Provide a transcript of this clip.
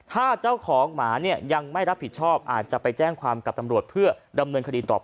ถ้าเจ้าของหมาเนี่ยยังไม่รับผิดชอบอาจจะไปแจ้งความกับตำรวจเพื่อดำเนินคดีต่อไป